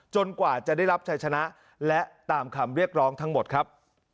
กว่าจะได้รับชัยชนะและตามคำเรียกร้องทั้งหมดครับ